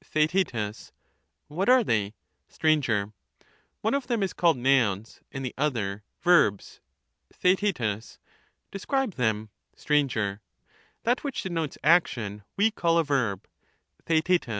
Theaet. What are they ? Str. One of them is called nouns, and the other verbs. Theaet. Describe them. 262 Str. That which denotes action we call a verb. Theaet.